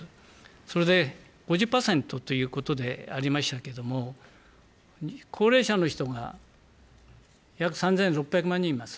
それで５０％ということでありましたけれども、高齢者の人が約３６００万人います。